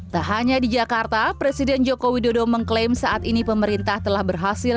tak hanya di jakarta presiden joko widodo mengklaim saat ini pemerintah telah berhasil